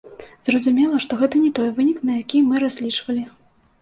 Зразумела, што гэта не той вынік, на які мы разлічвалі.